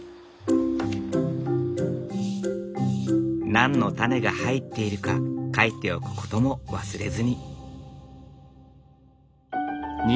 何のタネが入っているか書いておくことも忘れずに。